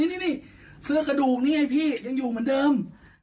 นี่เสื้อกระดูกนี่ไงพี่ยังอยู่เหมือนเดิม